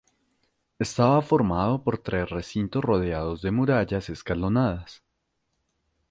Estaba formado por tres recintos rodeados de murallas escalonadas.